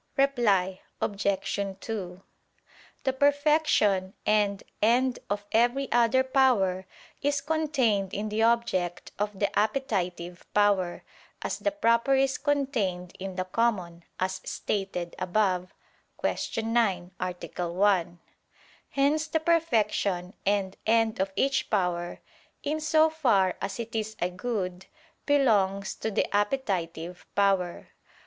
Reply Obj. 2: The perfection and end of every other power is contained in the object of the appetitive power, as the proper is contained in the common, as stated above (Q. 9, A. 1). Hence the perfection and end of each power, in so far as it is a good, belongs to the appetitive power.